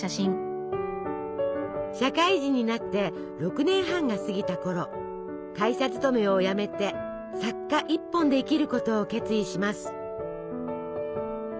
社会人になって６年半が過ぎたころ会社勤めを辞めて作家一本で生きることを決意します。